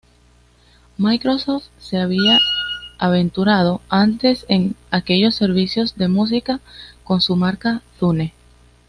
Microsoft se había aventurado antes en aquellos servicios de música con su marca Zune.